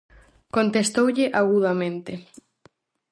Contestoulle agudamente.